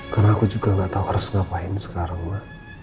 karena aku juga gak tahu harus ngapain sekarang ma